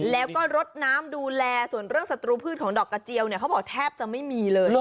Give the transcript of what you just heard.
แล้วก็รดน้ำดูแลส่วนเรื่องศัตรูพืชของดอกกระเจียวเนี่ยเขาบอกแทบจะไม่มีเลย